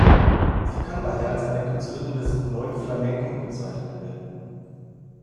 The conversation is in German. Sie kann daher als eine Künstlerin des "Neuen Flamenco" bezeichnet werden.